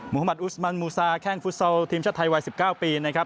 หมัติอุสมันมูซาแข้งฟุตซอลทีมชาติไทยวัย๑๙ปีนะครับ